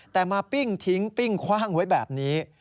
แต่มาปิ้งทิ้งปิ้งคว่างไว้แบบนี้